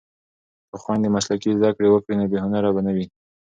که خویندې مسلکي زده کړې وکړي نو بې هنره به نه وي.